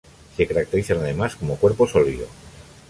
Se caracterizan además como cuerpo sólido.